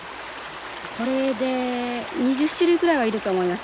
これで２０種類ぐらいはいると思います。